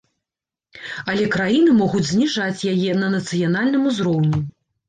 Але краіны могуць зніжаць яе на нацыянальным узроўні.